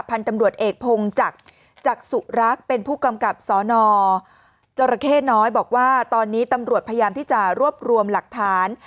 พันธุ์ตำรวจเอกพงจักรจักษุรักษ์เป็นผู้กำกับสนจรเข้น้อยบอกว่าตอนนี้ตำรวจพยายามที่จะรวบรวมหลักฐาน